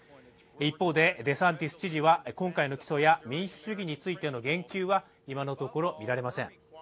一方でデサンティス知事は今回の起訴や民主主義についての言及は今のところみられません。